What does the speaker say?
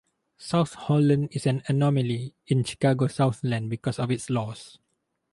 South Holland is an anomaly in Chicago Southland because of its laws.